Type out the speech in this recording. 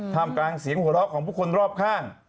มกลางเสียงหัวเราะของผู้คนรอบข้าง